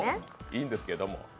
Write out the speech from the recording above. いいんですけど。